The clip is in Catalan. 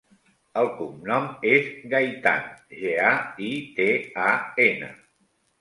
El cognom és Gaitan: ge, a, i, te, a, ena.